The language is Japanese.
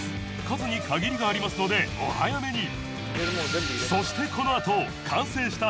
数に限りがありますのでお早めに